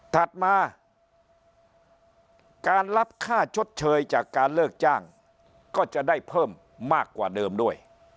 ถัดมาการรับค่าชดเชยจากการเลิกจ้างก็จะได้เพิ่มมากกว่าเดิมด้วย